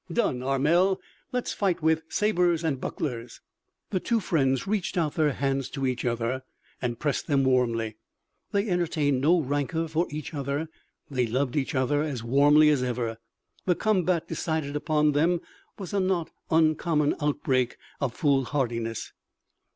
"Done, Armel let's fight with sabres and bucklers." The two friends reached out their hands to each other and pressed them warmly. They entertained no rancor for each other; they loved each other as warmly as ever; the combat decided upon by them was a not uncommon outbreak of foolhardiness.